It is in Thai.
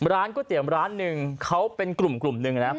ก๋วยเตี๋ยวร้านหนึ่งเขาเป็นกลุ่มหนึ่งนะ